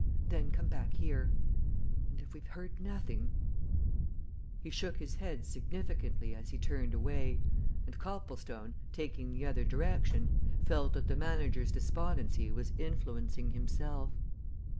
Then come back here. And if we've heard nothing " He shook his head significantly, as he turned away, and Copplestone, taking the other direction, felt that the manager's despondency was influencing himself.